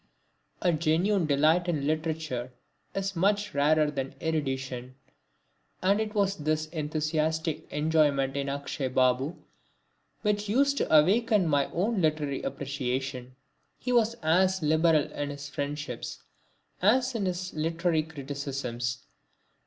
A genuine delight in literature is much rarer than erudition, and it was this enthusiastic enjoyment in Akshay Babu which used to awaken my own literary appreciation. He was as liberal in his friendships as in his literary criticisms.